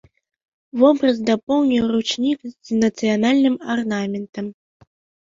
Вобраз дапоўніў ручнік з нацыянальным арнаментам.